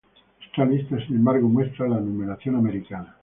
Esta lista, sin embargo, muestra la numeración americana.